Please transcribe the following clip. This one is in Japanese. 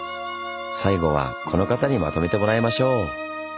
最後はこの方にまとめてもらいましょう。